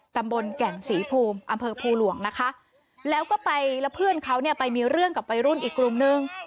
แก่งศรีภูมิอำเภอภูหลวงนะคะแล้วก็ไปแล้วเพื่อนเขาเนี่ยไปมีเรื่องกับวัยรุ่นอีกกลุ่มนึง